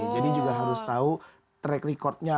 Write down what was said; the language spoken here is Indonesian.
jadi juga harus tahu track recordnya